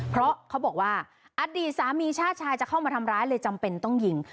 เพราะเขาบอกว่าอดีตสามีชาติชายจะเข้ามาทำร้ายเลยจำเป็นต้องยิง